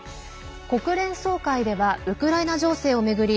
国連総会ではウクライナ情勢を巡り